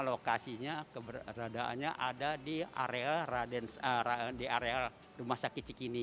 lokasinya keberadaannya ada di areal rumah sakit cikini